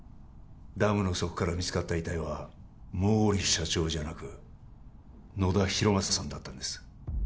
ダムの底から見つかった遺体は毛利社長じゃなく野田浩正さんだったんです